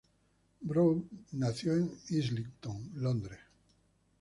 Browne nació en Islington, Londres.